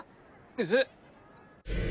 えっ？